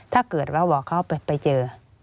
ถ้าเกิดว่าบอกเขาไปเจอ